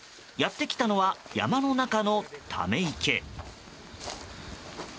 やってきたのは山の中のため池。